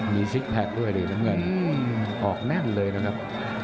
มีซิกแพคด้วยดิน้ำเงินออกแน่นเลยนะครับ